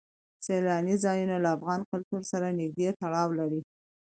سیلاني ځایونه له افغان کلتور سره نږدې تړاو لري.